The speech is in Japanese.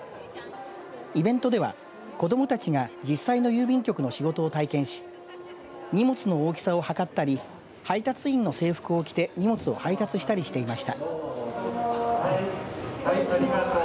イベントでは子どもたちが実際の郵便局の仕事を体験し荷物の大きさを測ったり配達員の制服を着て荷物を配達したりしていました。